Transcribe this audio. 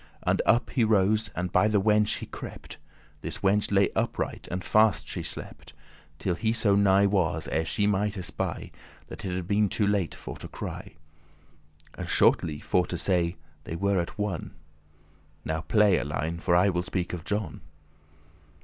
And up he rose, and by the wench he crept. This wenche lay upright, and fast she slept, Till he so nigh was, ere she might espy, That it had been too late for to cry: And, shortly for to say, they were at one. Now play, Alein, for I will speak of John.